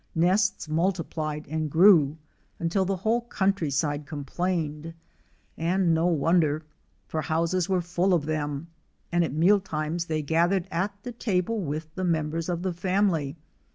Nests multi plied and grew until the whole country side complained, and no wonder, for houses were full of them, and at meal times they gathered at the table with the members of the family.